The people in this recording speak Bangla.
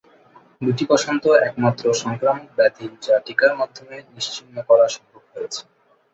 গুটিবসন্ত একমাত্র সংক্রামক ব্যাধি যা টিকার মাধ্যমে নিশ্চিহ্ন করা সম্ভব হয়েছে।